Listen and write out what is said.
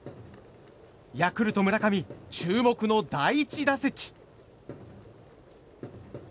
ヤクルト、村上注目の第１打席。